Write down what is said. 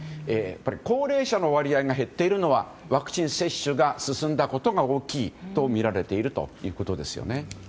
高齢者の割合が減っているのはワクチン接種が進んだことが大きいとみられているということですね。